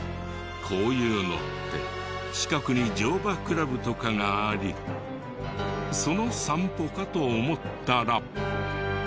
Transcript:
こういうのって近くに乗馬クラブとかがありその散歩かと思ったら。